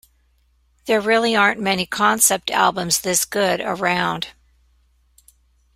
There really aren't many concept albums this good around.